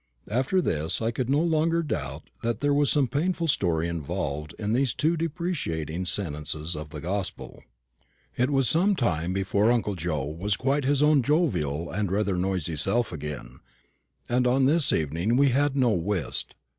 After this I could no longer doubt that there was some painful story involved in those two deprecating sentences of the gospel. It was some time before uncle Joe was quite his own jovial and rather noisy self again, and on this evening we had no whist.